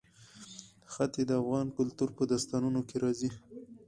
ښتې د افغان کلتور په داستانونو کې راځي.